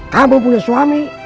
kamu punya suami